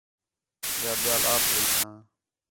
یا ٻِیال آپ ویساں